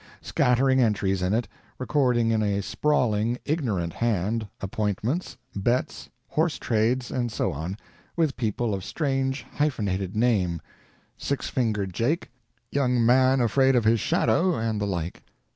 Scattering entries in it, recording in a sprawling, ignorant hand, appointments, bets, horse trades, and so on, with people of strange, hyphenated name—Six Fingered Jake, Young Man afraid of his Shadow, and the like.